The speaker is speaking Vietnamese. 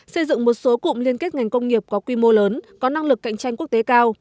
xây dựng một số cụm liên kết ngành công nghiệp có quy mô lớn có năng lực cạnh tranh quốc tế cao